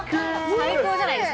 最高じゃないですか。